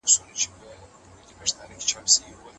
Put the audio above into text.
د پښتنو مېړانه په نړۍ کې بې سارې ده.